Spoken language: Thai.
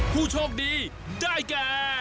ผู้โชคดีได้แก่